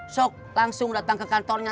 sok langsung datang ke kantornya